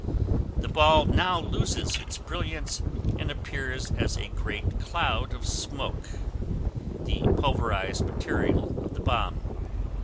The ball now loses its brilliance and appears as a great cloud of smoke: the pulverized material of the bomb.